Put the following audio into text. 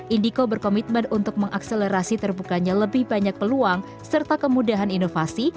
indiko berkomitmen untuk mengakselerasi terbukanya lebih banyak peluang serta kemudahan inovasi